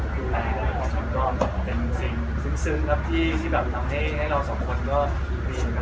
ดูแลเป็นสิ่งซึ้งซึ้งครับที่ที่แบบทำให้ให้เราสองคนก็มีน้ำตา